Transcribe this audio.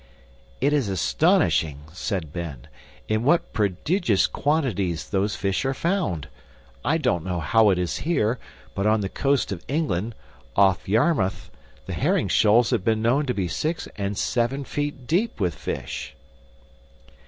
"It is astonishing," said Ben, "in what prodigious quantities those fish are found. I don't know how it is here, but on the coast of England, off Yarmouth, the herring shoals have been known to be six and seven feet deep with fish."